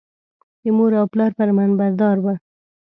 د مور او پلار فرمانبردار و.